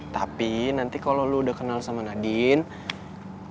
tapi nanti kalau lo udah kenal sama nadine